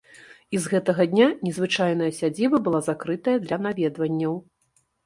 І з гэтага дня незвычайная сядзіба была закрытая для наведванняў.